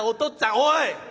「おい！